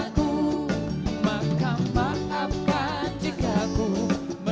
atau biarkan aku menyembah coba